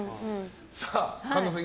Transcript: じゃあ神田さん。